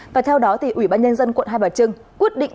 và theo đó thì ủy ban nhân dân quận hai bà trưng quyết định